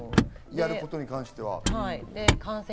やることに関しては。